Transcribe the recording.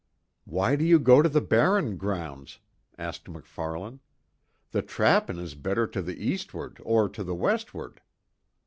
"Why do you go to the barren grounds?" asked MacFarlane. "The trappin' is better to the eastward, or to the westward."